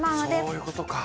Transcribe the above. そういうことか。